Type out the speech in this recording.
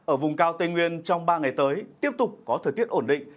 ở vùng cao tây nguyên trong ba ngày tới tiếp tục có thời tiết ổn định